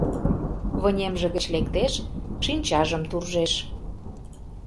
— вынемже гыч лектеш, шинчажым туржеш.